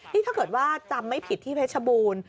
นี่ถ้าเกิดว่าจำไม่ผิดที่เพชรบูรณ์